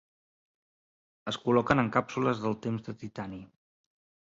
Es col·loquen en càpsules del temps de titani.